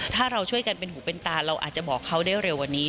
ถ้าเราช่วยกันเป็นหูเป็นตาเราอาจจะบอกเขาได้เร็วกว่านี้